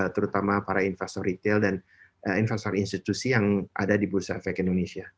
terutama para investor retail dan investor institusi yang ada di bursa efek indonesia